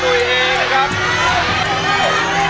อยู่ที่ตัวคุณหนุ่ยเองนะครับ